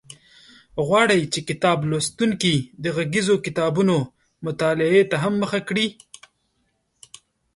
غواړو چې کتاب لوستونکي د غږیزو کتابونو مطالعې ته هم مخه کړي.